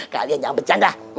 kalian jangan bercanda